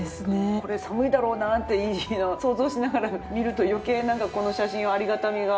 これ寒いだろうなっていうのを想像しながら見ると余計なんかこの写真はありがたみがありますね